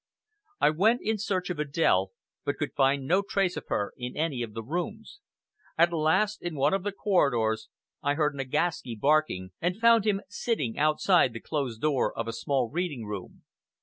I went in search of Adèle, but could find no trace of her in any of the rooms. At last, in one of the corridors, I heard Nagaski barking, and found him sitting outside the closed door of a small reading room.